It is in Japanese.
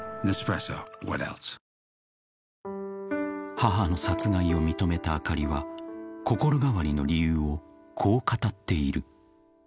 ［母の殺害を認めたあかりは心変わりの理由をこう語っている］